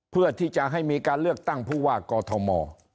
เพื่อที่จะให้มีการเลือกตั้งผู้ว่ากอทม